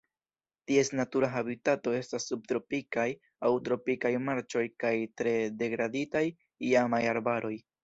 Ties natura habitato estas subtropikaj aŭ tropikaj marĉoj kaj tre degraditaj iamaj arbaroj.